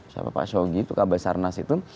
siapa pak shogi itu kabar sarnas itu